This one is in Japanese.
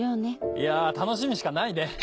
いや楽しみしかないね！